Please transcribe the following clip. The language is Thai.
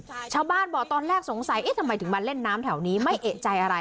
ชาวบ้านบอกตอนแรกสงสัยเอ๊ะทำไมถึงมาเล่นน้ำแถวนี้ไม่เอกใจอะไร